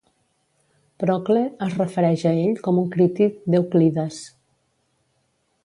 Procle es refereix a ell com un crític d'Euclides.